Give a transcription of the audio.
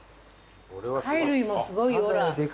貝類もすごいよ。